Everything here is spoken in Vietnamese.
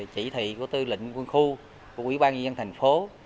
chỉ thị của tư lịnh quân khu của quỹ ban nhân dân thành phố